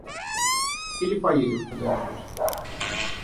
Или поедем куда-нибудь.